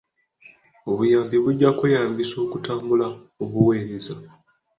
Obuyambi bujja kweyambisibwa okutumbula obuweereza.